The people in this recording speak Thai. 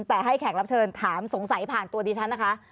แต่ให้แขกรับเชิญถามสงสัยผ่านตัวดิฉันนะคะ